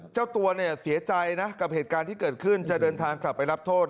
เจ้าตัวเนี่ยเสียใจนะกับเหตุการณ์ที่เกิดขึ้นจะเดินทางกลับไปรับโทษ